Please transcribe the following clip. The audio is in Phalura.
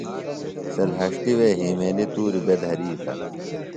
سےۡ لھݜٹِوے ہیمیلیۡ تُوریۡ بےۡ دھریتہ۔